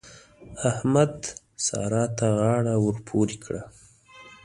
احمد؛ سارا ته غاړه ور پورې کړه.